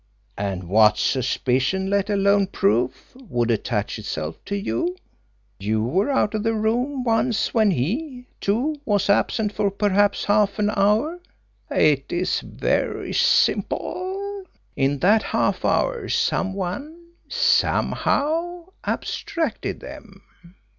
And what suspicion let alone proof, would attach itself to you? You were out of the room once when he, too, was absent for perhaps half an hour. It is very simple. In that half hour, some one, somehow, abstracted them.